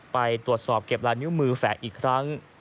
ไปตรวจสอบเก็บลายนิ้วมือแฝงอีกครั้ง